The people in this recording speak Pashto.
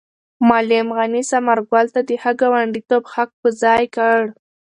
معلم غني ثمر ګل ته د ښه ګاونډیتوب حق په ځای کړ.